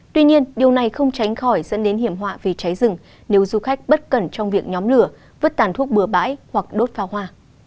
tuy nhiên điều này không tránh khỏi dẫn đến hiểm họa vì cháy rừng nếu du khách bất cẩn trong việc nhóm lửa vứt tàn thuốc bừa bãi hoặc đốt pháo hoa